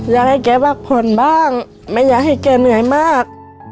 อย่าให้เก๋ปลักผลบ้างไม่อยากให้เก๋เหนือยมาก